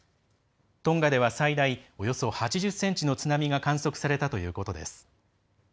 トンガでは最大およそ８０ｃｍの津波が観測されたということです。